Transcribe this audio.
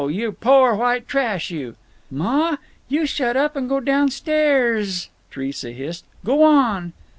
You poor white trash—you—" "Ma! You shut up and go down stairs s s s s!" Theresa hissed. "Go on."